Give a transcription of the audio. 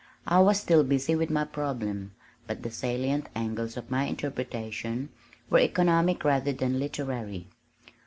I was still busy with my problem, but the salient angles of my interpretation were economic rather than literary.